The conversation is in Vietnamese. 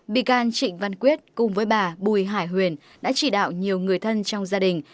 bị can trịnh văn quyết cùng với bà bùi hải huyền đã chỉ đạo nhiều người thân trong gia đình